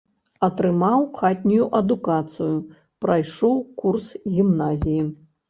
Атрымаў хатнюю адукацыю, прайшоў курс гімназіі.